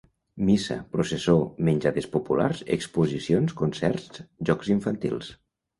Missa, processó, menjades populars, exposicions, concerts, jocs infantils.